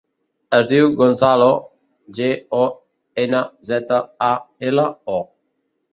Es diu Gonzalo: ge, o, ena, zeta, a, ela, o.